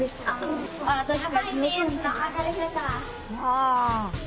ああ！